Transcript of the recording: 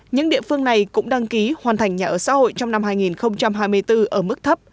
những địa phương này cũng đăng ký hoàn thành nhà ở xã hội trong năm hai nghìn hai mươi bốn ở mức thấp